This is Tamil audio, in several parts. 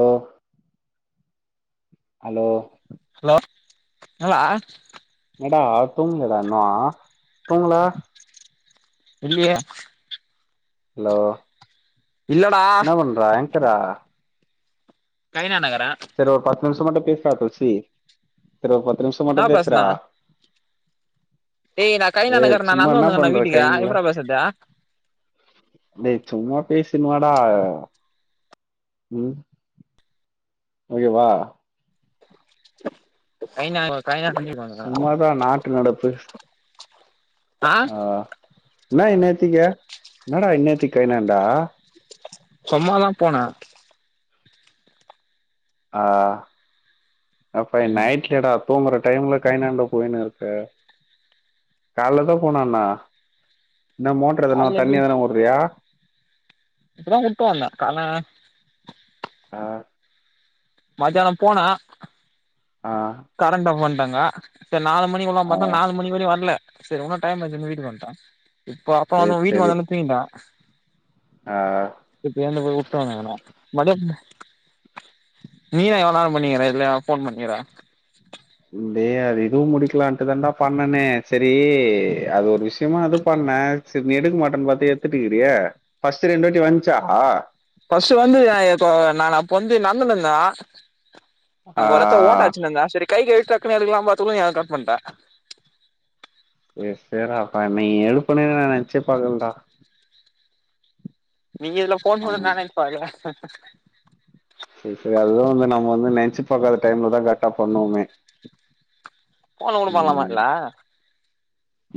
ஓ ஹலோ ஹலோ என்னலா என்னடா தூங்லடா இன்னு தூங்கல இல்லியே ஹலோ இல்லடா என்ன பண்ற எங்க்கர கவினான்ட இகர செரி ஒரு பத்து நிமிஷோ மட்டு பேசுறா துளசி செரி ஒரு பத்து நிமிஷோ மட்டு என்னா பேசுன பேசுறா ஏய் நா கை நா ஏய் நகர் நா சும்மா நடந்து என்ன வந்துன்னு பண்ற இருக்கே டா வீட்டுக்கு கைங்கள எப்டிர்ரா பேசுறது டேய் சும்மா பேசின்னு வாடா ம் ஓகேவா கைனா கைனா பன்னிருவாங்க சும்மாதா நாட்டு நடப்பு ஆ என்ன இன்நேத்துக்கு என்னடா இன்நேத்துக்கு கைனாண்டா சும்மாதா போனே ஆ அப்ப ம் நைட்லயாடா தூங்குற டைம்ல கைனாண்ட போயின்னு இருக்க காலல தா போனுன்னா என்ன மோட்டர் எதனா கால்ல எப்டி தண்ணி எதனா ஓடுறியா இப்பதா விட்டு வந்தே கான ஆ மத்யானோ போனே ஆ கரண்ட ஆஃப் பண்ட்டாங்க செரி நாலு மணிக்கு விடலா ஆ பாத்தா நாலு மணி வரயு வரல சரி இன்னு டைம் இருக்குன்னு வீட்டுக்கு வன்ட்டே இப்ப அப்ப சேரி வந்த வீட்டுக்கு சேரி வந்த ஒன்னே தூங்கிட்டே ஆ இப்ப கொண்டு போய் வுட்டு வந்துக்குனே மருடியு நீதா எவனாலு பண்ணிக்கிற இதுல்ல ஃபோன் பண்ணிக்கிற டேய் அது இதுவு முடிக்கலான்ட்டு தாண்டா பண்ணுனே செரி அது ஒரு விஷயமா அது பண்ணே செரி நீ எடுக்க மாட்டன்னு பாத்தே எத்துட்டு இருக்குறயே ஃபர்ஸ்ட் ரெண்டு வாட்டி வந்துச்சா ஃபர்ஸ்ட் வந்தது நா கோ நானு அப்ப வந்து நடந்துன்னு இருந்தே ஆ அங்க ஒரு இடத்துல ஓட்ட அடச்சின்னு இருந்தே சரி கை கழுவீட்டு டக்குன்னு எடுக்கலான்னு பாத்தக்குல்ல நீ அத கட் பண்ட்ட ஏ சேரிராப்பா நீ எடுப்பண்ணே நா நெனச்சி பாக்கலடா நீங்க இதுல ஃபோன் ஆமா பண்ணனால இப்ப அதுல செரி செரி அதுதா வந்து நம்ம வந்து நெனச்சி பாக்காத டைம்லதா கரெக்ட்டா பண்ணுவமே ஃபோனு கூட பண்ணலாம இதுல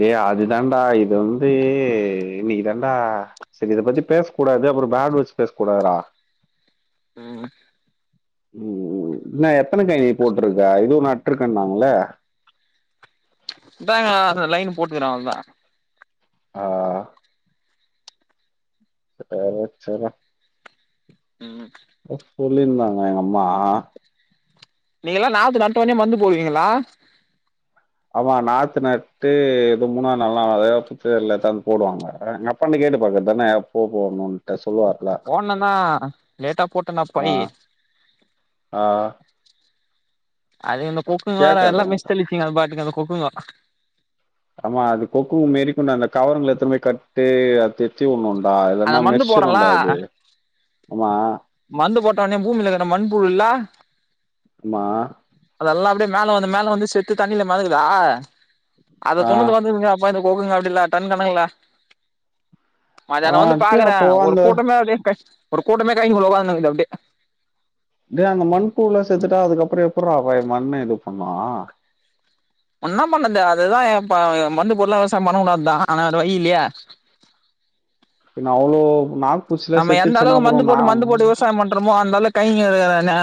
டேய் அதுதாண்டா இது வந்து இன்னக்கி தாண்டா சில இத பத்தி பேச கூடாது அப்பறோ பேட் வேர்ட்ஸ் பேச கூடாதுரா ம் ம் இன்ன எத்தன கை நீ போட்ருக்கா இதுவு நட்டு இருக்கனாங்களே இதாங்க அந்த லைன் போட்டுக்கிறே அவ்ளதா ஆ சேர்ரா செர்ரா ம் சொல்லிருந்தாங்க எங்க அம்மா நீங்கல்லா நாத்து நட்ட ஒண்ணே மருந்து போடுவீங்களா ஆமா நாத்து நட்டு இது மூணாது நாள் நால்ல புத்து இதுல எடுதாந்து போடுவாங்க எங்க அப் பன்ட கேட்டு பார்க்கற தான எப்ப போடணுன்ட்டு சொல்லுவார் போடணுந்தா லேட்டா ஆ போட்டன்னப்பாய் ஆ அது இந்த கொக்குங்க வேற எல்லா கேட்காதாங்க மிஸ் தெளிச்சிங்க அது பாட்டுக்கு அந்த கொக்குங்க ஆமா அது கொக்கு மேறிக்கொண்ட அந்த கவருங்கள எத்துன்னு போய் கட்டு அது சுத்தி வுடனுண்டா அந்த இல்லன்னா மருந்து போட்றேன்ல மெர்சிருண்டா அது ஆமா மந்து போட்ட ஒட்னே பூமிலகற மண்புழுல்ல ஆமா அதல்லா அப்டியே மேல வந்து மேல வந்து செத்து தண்ணில மெதக்குதா அத ஆ துண்ணது வந்து இங்க ப்பா இந்த கொக்குங்க அப்டில்லா டன் கணக்குல மத்யானோ ஆ வந்து டே பாக்குறே அப்போ ஒரு அந்த கூட்டமே அப்டி கஷ் ஒரு கூட்டமே கைனிகுல்ல ஒக்காந்துனுகுது அப்டியே டேய் அந்த மண் புழுவுலா சேத்துட்டா அதுக்கப்புறோ எப்புட்றா பாவி மண்ண இது பண்ணு உன்னா பண்றத்தே அதுதா பா அ மந்து பொருள்ளா விவசாயோ பண்ண கூடாத்தா ஆனா வேற வயி இல்லையே பின்ன அவ்ளோ நாக் பூச்சில்லா சேத்துச்சுன்னா அப்றோ நா விவசாயோ பண்றோமோ அந்தால கைகல்ல இருகற நே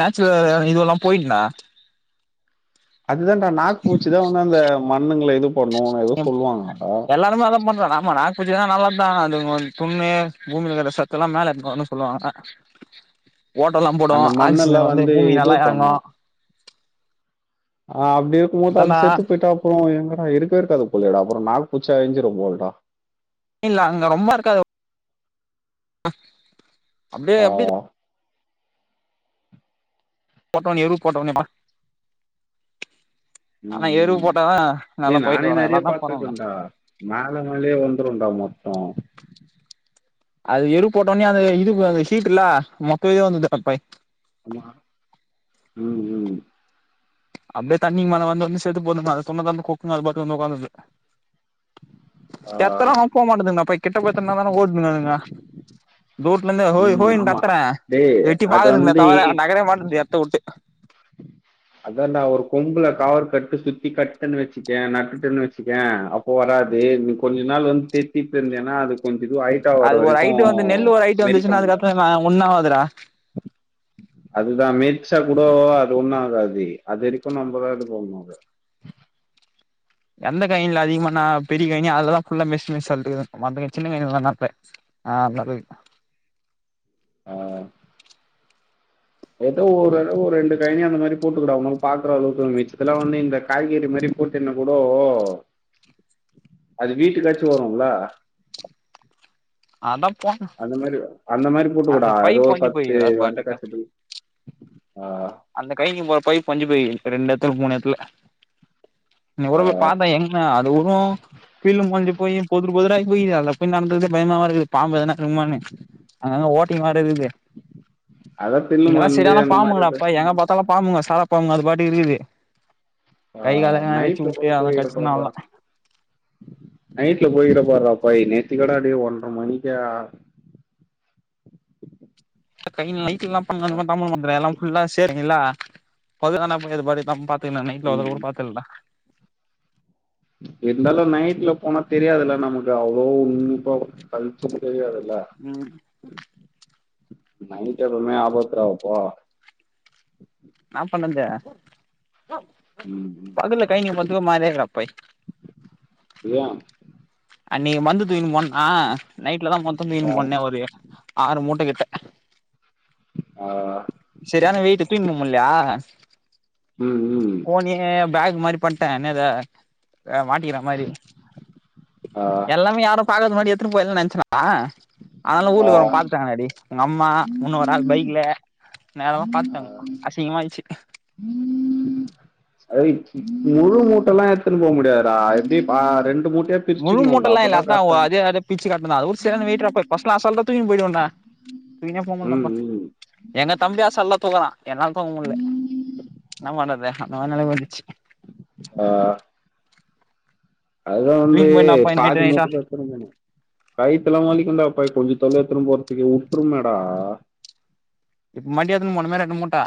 நேச்சுரல் இதுவெல்லா போயிடுன்டா அதுதான்டா நாக் பூச்சிதா வந்து அந்த மண்ணுங்கள இது பண்ணுன்னு எதோ ம் சொல்லுவாங்கடா எல்லாருமே அதா பண்றோ ஆமா நாக் பூச்சில்லா நல்லத்தா அது வந் துண்ணு பூமிலகற சத்தெல்லா மேல எத்துனுவருன்னு சொல்லுவாங்க ஓட்டெல்லாம் போட் அந்த மண்ணெல்லா வந்து இது பண்ணு ஆ அப்டி இருக்கும் போது அது அதான்டா செத்து போயிட்டா அப்றோ எங்கடா இருக்கவே இருக்காது போலையடா அப்றோ நாக் பூச்சே அழிஞ்சிடு போலையடா இல்ல அங்க ரொம்ப இருக்காது அப்டே ஆ அப்டிதா போட்ட ஒட்னே ஏறு போட்ட ஒட்னேடா ஆனா ம் எருவு ம் போட்டதா நல்லா டேய் நானே பொயக்க வரே நெறைய எல்லாருந்தா போட்றாங்டா பாத்துருக்கேன்டா மேல மேலயே வந்துடோண்டா மொத்தோ அது எரு போட்ட ஒன்னே அந்த இதுக்கு அந்த ஹீட்டுல்லா மொத்தோ வெளிய வந்துட்துடா பாயி ஆமா ம் ம் அப்டியே தண்ணி மேல வந்து வந்து செத்து போதுங்க அத துண்ண தா இந்த கொக்குங்க அது பாட்டுக்கு வந்து ஒக்கந்துட்து ஆ தெத்தரோ ஆனா போ மாட்டுதுங்கடா அப்ப கிட்ட போய் தெத்தனா தா ஓடுதுங்க அதுங்க தூரத்துலந்து ஹோய் ம் ஹோயின்னு ஆமா கத்தறே டேய் எட்டி அது பாக்குதுங்க வந்து தவிர நகர மாட்டுது எடத்த உட்டு அதாண்டா ஒரு கொம்புல காவர் கட்டு சுத்தி கட்டன்னு வெச்சுக்கேயே நட்டுட்டன்னு வெச்சுக்கேயே கோ வராது நீ கொஞ்ச நாள் வந்து தெத்திட்டு இருந்தேனா ஏன்னா அது கொஞ்சோ இது ஆயி ட்ட வர அது வரைக்கு மெரிக்க முட்லன்னு அ ஒன்னு ஆவாது டா அதுதா மெச்சா கூடோ அது ஒன்னோ ஆகாது அது வெரிக்கு நம்ம தா இது போட்னோ அத எந்த கைனில அதிகமா நா பெரி கைனி அதல தா எல்லா மெர்சி மெர்சி தள்ளிட்டுகறே மத்த சின்ன கைனிலல்லா எங்க அத்த ஆ நல்லது ஆ ஏதோ ஒரு அளவு ஒரு ரெண்டு கைனி அந்த மாரி போட்டுக்கடா நம்போ பாக்குற அளவுக்கு மிச்சத்துல வந்து இந்த காய்கறி மாரி போட்டின்னா கூடோ அது வீட்டுக்காச்சி வரோல்ல அதா போட்னோ அந்த மாரி அந்த மாரி போட்டுக்கோடா ஏதோ ஒரு ஒடஞ்சு பத்து போயிக்குதுடா அது வெண்ட பாட்டுக்கு செடில் ஆ அந்த கைனிக்கு போற பைப் ஒட்ஞ்சி போயிகீது ரெண்டு எடத்துல மூணு எடத்துல இன்னிக் கூடோ போய் பாத்தே எங்க அது கூடோ பில்லு மொளஞ்சி போயி பொதுரு பொதுரா ஆய் போயிகீது அது போய் நடதுக்குறதே பயமாவா இருக்குது பாம்பு எதனா இருக்குமான்னு அங்கங்க ஓட்டிங்ளா நறையகுது அதான் பில்லு இங்கெல்லா மருந்து செரியானா அந்த மாதிரி பாம்புங்டா பாயி ஏதாச்சும் எங்க பத்தாலு பாம்புங்கோ சாரா பாம்புங்கோ அது பாட்டுக்கு இருக்குது ஆ கை கால எங்கனா வெச்சு நைட்ல வுட்டு போட்டு அதலா கடிச்சுனா இடுப்பறா அவ்ளதா நைட்ல போயிரபாரா அப்பா நேத்து கடாடி ஒன்ற மணிக்கு [unintelligible] [unintelligible] ஆ ஃபுல்லா சேரிங்கள [unintelligible] [unintelligible] ப்பே நா நைட்ல வத கூட ம் பாத்தல்லாடா இருந்தாலு நைட்ல போனா தெரியாதுல்ல நமக்கு அவ்ளோ உன்னிப்பா பழிச்சும் தெரியாது இல்ல ம் நைட்டு் எப்பவுமே ஆபத்துராப்போ ன்னா பண்ணது ம் பகுல கை நீ போத்துக்க மாறியாராபை ஏ அன்னகி மந்து தூயினு போனனா நைட்ல தா மொத்தொ தூயினு போனனே ஒரு ஆறு மூட்ட கிட்ட ஆ சரியான வெயிட்டு தூயினுபோமுல்லையா ம் ம் ஏ பேக் மாரி பண்ட்டே என்ன ஏத அ மாட்டிக்கிற மாரி ஆ எல்லாமே யாரும் பாக்காத முன்னாடி எத்துனு போயிலானு நெனச்சனா ஆனாலு ஊர்ல ஆ உள்ளவ பா த்துடாங்க டாடி உங்க அம்மா முன்னோ ஒரு ஆள் பைக்ல நேரமா பாத்துட்டாங்கோ அசிங்கமாயிடுச்சி அய் முழு மூட்டல்லா எத்துனு போ முடியாதுடா எப்டி பா ரெண்டு மூட்டையா முழு பிரிச்சுக்கணும்டா மூட்டல்லா இல்ல அப்பதான் அத்தா ஒ கரெக்டா அதே அதே பிச்சி காட்டன்தா அது ஒரு சரியான வெயிட்டுறாப்பா ஃபஸ்ட்லா அசால்டா தூக்கினு போய்டுவன்டா தூக்கினே போமுல்லப்பா ம் எங்க தம்பி அசால்டா‌ தூக்குறா என்னால தூக்க முட்ல ம் என்ன பண்றது அந்த மாரி நெலம வந்துச்சி ஆ அதா வந்து தூக்கினு போயினாப்பா நைட்டு நைட்டா பாதிமூட்ட [unintelligible] கயித்தல்லா வலிக்குன்டாப்பா கொஞ்சோ தொலவு எத்துனு போரதுக்கு உட்ருமேடா இப்ப மடியாதுன்னு மணுமேர எனு மூட்ட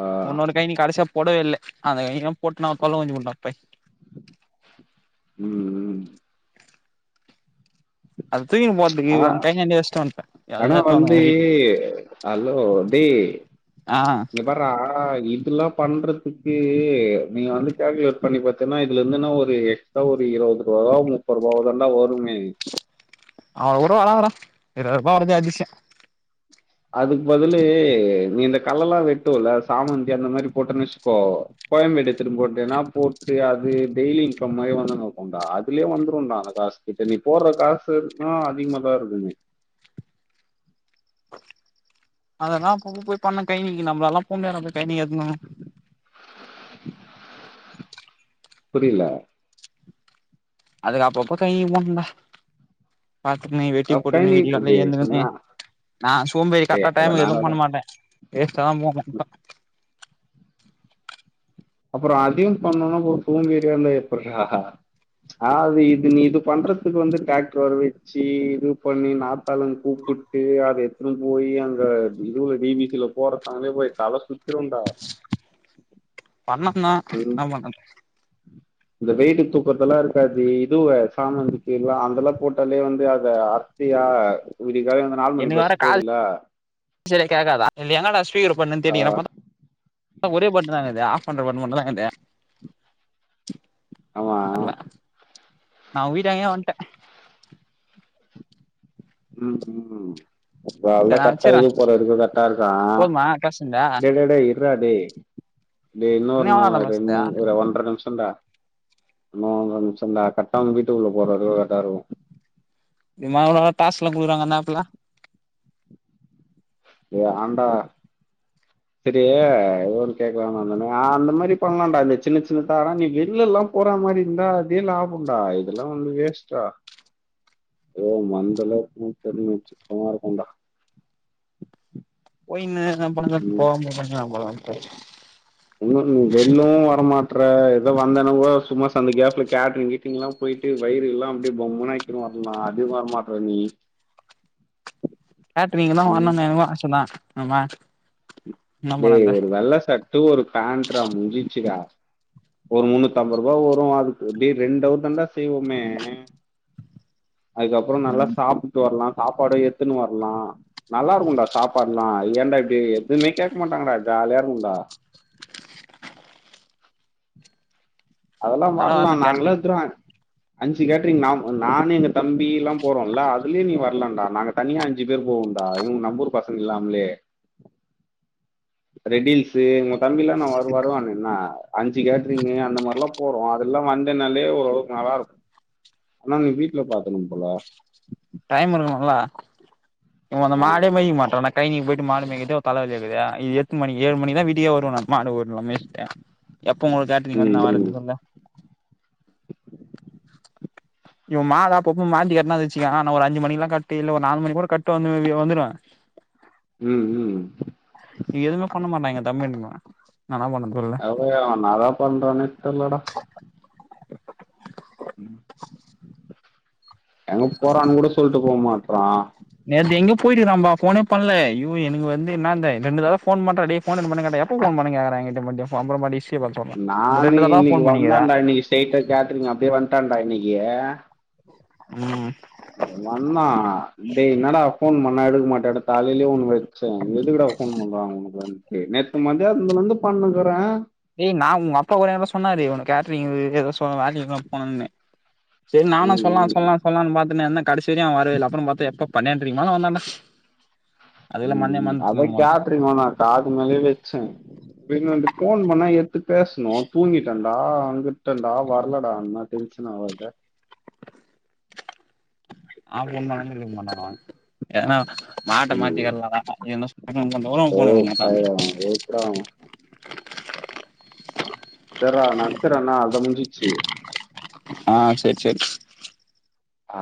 ஆ உன்னோட கைனி கடசியா போடவே இல்ல அந்த [unintelligible] போட்டு நா [unintelligible] ம் ம் அத தூக்கினுபோத் து ஆனா அங்கழனியாண்டே வச்ட்டு வன்ட ஆனா அத்த வேர [unintelligible] வந்து வந்த வீட்டுக்கு ஹலோ ஆ பாரா இதுலா பண்றதுக்கு நீ வந்து கேல்குலேட் பண்ணி பாத்தன்னா இதுல இருந்து என்ன ஒரு இப்ப ஒரு இரவது ரூவாவோ முப்பது ரூவாவோ தாண்டா வருமே அவ்ரோ வராதுடா இரவது ரூபா வரதே அதிஷயம் அதுக்கு பதிலு நீ இந்த களல்லா வெட்டுவல்ல சாமந்தி அந்த மாரி போட்டன் வச்சுக்கோ கோயம்பேடு எத்துட்டு போட்டேன்னா போட்டு அது டெய்லி இன்கம் மாரி வந்துனுருக்கண்டா அதுலயே வந்துருண்டா அந்த காசு இப்ப நீ போட்ற காசுதா அதிகமா தா இருக்குமே அதெல்லா அப்பப்ப போய் பன்னு‌ கயனிக்கி நம்பளாளலா போ முடியாதுண்ணா கயணிக்கி [unintelligible] புரியில அதுக்கு அப்பப்போ கழணிக்கி போனுண்டா பாத்துக்கிணு வெட்டி அப்ப போட்டுக்கிணு நீ விடியகாலல டேய் எழுந்துக்குனு என்ன நா சோம்பேறி டேய் கரெக்டா டைம்கு அதெல்லாம் எதும் இல்லடா பண்ண மாட்ட வேஸ்ட்டா தா போகு அப்புறொ அதையு பண்ணோனா சோம்பேறியாந்தா எப்பிறா ஆ அது இது நீ இது பண்றதுக்கு வந்து டிராக்டர வர வச்சி இது பண்ணி நா த்தாலன் கூப்புட்டு அத துன் போயி அங்க இதுல டி பி சி ல போறதாங்களே போய் தல சுத்திருண்டா பண்ணன் தா ன்னா பண்றது இந்த வெயிட்டு தூக்கறதெல்லா இருக்காது இதுவ சாமாந்தூக்கில்லா அந்தெல்லா போட்டாலே வந்து அத டியா விடிக்காலைல அந்த நாலு மணி எனக்கு வேற பஸ் கால் போதுல சரியா கேக்காதா இதுல எங்கடா ஸ்பிக்கர் போட்ணுன் ஆ தேட்னிக்றே பாத்தா ஒரே பட்னு தா இக்குது ஆஃப் பண்ற பட்னு மட்டு தா க்குது ஆமா நர்ல நா ஒ வீட்டாங்கே வன்ட்டே ம்‌ ஹும் வர்ல சரி நா வச்சுறே கட்டாயி போறருக்கு கர்ட்டாருக்கா போதுமா பேசுனது டே ‌டே டே இ ர்றா டே இன்னு டேஇன்னோனு எவ்ளோ நேரோ பேசுனது ரெண்டு ல்லே ஒன்ற நிம்ஷோண்டா இன்னு ஒன்ற நிம்ஷோ டா கட்டான வீட்டுக்குள்ள போற‌ருக்கு கர்ட்டாருக்கு இது மார்லா டாஸ்க் லா குடுக்குறாங்க அந்த ஆப் ல ஏன்டா சேரி எதோ ஒன்னு கேக்லான் வந்தனே ஆ அந்த மாரி பண்லான்டா இந்த சின்ன சின்னதாலா நீ வெள்ளலா போற மாரி இந்தா அதே லாபோ டா இதெல்லா வந்து வேஸ்ட் டா யோவ் மந்தலா [unintelligible] சிக்கமா இருக்கன்டா போயினு இதெல்லா பண்றக்கு ம் போவாம பண்லா போலா பா இன்னு நீ வெள்லவு வரமாட்ற எதோ வந்தேனா கூட சும்மா சந்து கேப் ல கேட்ரிங் கீட்ரிங் லா போய்ட்டு வயிறு லா அப்டியே பம்மனு ஆக்கினு வர்லா அது வர்மாட்ற நீ கேட்ரிங் லா ம் வர்ணுன் எனக்கு ஆச தா ஆமா என்ன டேய் பண்ணது ஒரு வெள்ள சட்டு ஒரு பேண்ட் றா முஞ்சிச்சு டா ஒரு முன்னூத்தம்பது ரூபா வரு அதுக் டேய் ரெண்டவரு தா டா செய்வோமே அதுக்கப்றோ நல்லா சாப்ட்டு வர்லா சாப்பாடு எத்துன்னு வர்லா நல்லாருக்கு டா சாப்பாட்லா ஏ டா டேய் எதுமே கேக் மாட்டாங்டா ஜாலியாருக்கு டா அதெல்லா இந்தடவ வர்லா வரணு நாங்ளே கேட்ரிங் எத்துருவே அஞ்சு கேட்ரிங் நா நானு எங்க தம்பிலா போறோல அதுலே நீ வர்லான்டா நாங்க தனியா அஞ்சு பேர் போவோ டா இவுங்க நம்பூர் பசங்க இல்லாம்லே ரெடில்ஸ் ஒங்க தம்பிலா நா வருவா வருவானென்ன அஞ்சு கேட்ரிங் கு அந்த மார்லா போறோ அதுல்ல வந்தனாலே ஓரளவுக்கு நல்லாருக்கு ஆனா நீ வீட்ல பாத்தணு போல டைம் இருக்கணு ல இவுங்க அந்த ஆ ஆ. மாடே மேய்க்க மாட்டோ டைமிங்க்கு போய்ட்டு மாடு மேய்க்குறதே ஒரு தலவலியாருக்குது எட்டு மணி ஏழு மணிக்கு தா வீட்டுக்கே வருவே நா மாடு ஓட்னு [unintelligible] எப்போ ஒங்ளுக்கு கேட்ரிங் வந்து ம் நா ம் வரது சொல்லு இவ மாலா அப்பப்போ மாத்தி கட்னா வச்சுக்கே நா ஒரு அஞ்சு மணிக்லா கட்டி இல்ல ஒரு நாலு மணிக்கு கூட கட்டி வந்து வந்துருவே ம் ம் எதுமே பண்ண மாட்டாய்ங்க தம்பிங்க நா ன்னா பண்ண சொல் [unintelligible] ன்னா தா பண்றதுன்னே தெர்லடா எங்க போறான் கூட சொல்ட்டு போ மாட்றா நேத்து எங்கயோ போய்ட்ருக்கா பா ஃபோனே பண்ல யோ எனக்கு வந்து என்னாந்த ரெண்டு தடவ ஃபோன் பண்றே டே ஃபோனுனு பண்ணி கேட்ட எப்போ ஃபோன் பண்ண கேக்கறா எ கிட்ட [unintelligible] அப்பறமா டிஸ்ட்ரி ய பாத்து சொல்றா இந்த ரெண்டு தடவ தா ஃபோன் பண்ணிக்கிற டெய்ட்டா கேட்ரிங் அப்டியே வன்ட்டான்டா இன்னிக்கி ம் இவே வந்தா டேய் என்னடா ஃபோன் பண்ணா எடுக்க மாட்டியாடா தலைலே ஒண்ணு வ ச்சே எதுக்குடா ஃபோன் பண்றாங்க ஒனக்கு வன்ட்டு நேத்து மத்யானத்துலந்து பண்ணுக்குறே ஏ நா உங்கப்பா கூட எவ்ளோ சொன்னாரு இவன கேட்ரிங் கு எதோ சொ வேலைக்லா போனன்னு செரி நானு சொல்லா ம் சொல்லா சொல்லான் பாத்துனேருந்தே கடைசி வரயு அவே வரவேயில்ல அப்றோ பாத்தா எப்ப பனன்றைக்கி மேல வந்தாடா ம் ம் அவ மொதல்ல கேப் த்ரீ போனா காது மேலயே வெச்சன் பின்ன வன்டு ஃபோன் பண்ணா எத்து பேசணு தூங்கிட்டா தா வந்துட்டன்டா வர்லடானா டென்ஷன் ஆவல்ல ஆ [unintelligible] ஏனா மாட்ட ம் மாட்டிர்ல ஓ பைய எதுக்குடா அவ [unintelligible] செர்ரா நச்சரனா அத முஞ்சிச்சு ஆ செர் செரி ஆ